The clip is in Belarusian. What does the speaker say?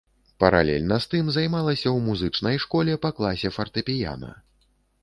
Паралельна з тым займалася ў музычнай школе па класе фартэпіяна.